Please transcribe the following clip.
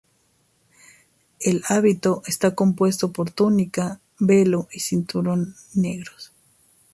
El hábito está compuesto por túnica, velo y cinturón negros.